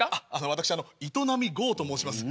私営業と申します。